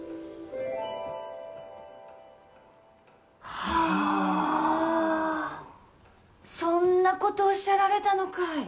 はあはあそんなことおっしゃられたのかい